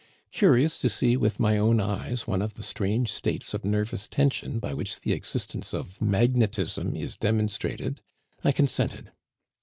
Curious to see with my own eyes one of the strange states of nervous tension by which the existence of magnetism is demonstrated, I consented.